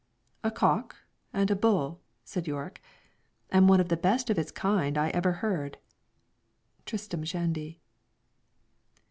"A cock and a bull, said Yorick and one of the best of its kind I ever heard." TRISTRAM SHANDY.